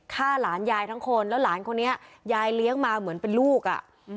ฆ่าหลานยายทั้งคนแล้วหลานคนนี้ยายเลี้ยงมาเหมือนเป็นลูกอ่ะอืม